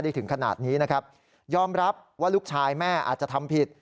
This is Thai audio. ถึงขนาดนี้นะครับยอมรับว่าลูกชายแม่อาจจะทำผิด